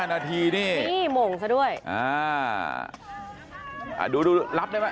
๕นาทีนี่อ่าดูรับได้ไหม